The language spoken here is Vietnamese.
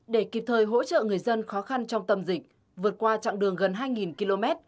để kịp thời hỗ trợ người dân khó khăn trong tầm dịch vượt qua trạng đường gần hai km